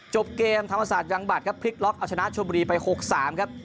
จบเกมธรรมศาสตร์ยังบัตรครับพลิกล็อกเอาชนะชมบุรีไป๖๓ครับ